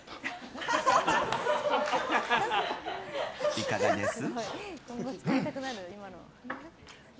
いかがです？